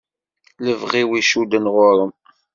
Lebɣi-w icudden ɣur-m.